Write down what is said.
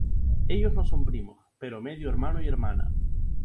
Ellos no son primos, pero medio hermano y hermana.